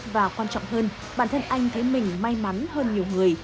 và quan trọng hơn bản thân anh thấy mình may mắn hơn nhiều người